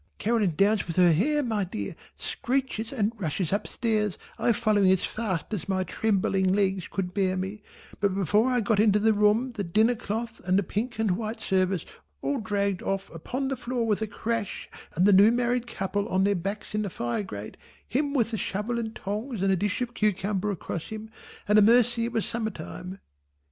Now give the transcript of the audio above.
Caroline downs with her hair my dear, screeches and rushes up stairs, I following as fast as my trembling legs could bear me, but before I got into the room the dinner cloth and pink and white service all dragged off upon the floor with a crash and the new married couple on their backs in the firegrate, him with the shovel and tongs and a dish of cucumber across him and a mercy it was summer time.